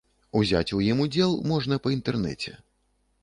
Узяць у ім удзел можна па інтэрнэце.